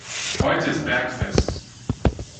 Heute ist Bergfest.